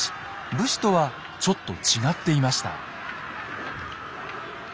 武士とはちょっと違っていました。